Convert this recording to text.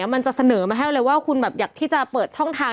มันจะเสนอมาให้เลยว่าคุณแบบอยากที่จะเปิดช่องทาง